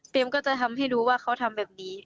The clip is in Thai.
ก็จะทำให้รู้ว่าเขาทำแบบนี้